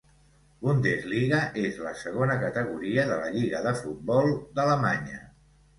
Bundesliga és la segona categoria de la Lliga de futbol d'Alemanya.